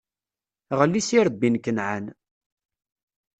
Ɣli s irebbi n Kenɛan.